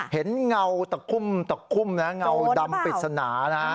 เห็นเงาตะคุ่มตะคุ่มและเงาดำปิดสนา